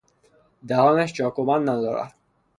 دهانش چاک و بند ندارد.